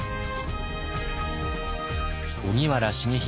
荻原重秀